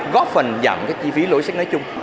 góp phần giảm chi phí logistic nói chung